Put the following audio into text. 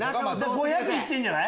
５００行ってんじゃない？